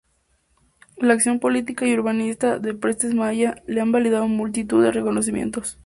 La acción política y urbanística de Prestes Maia le han valido multitud de reconocimientos.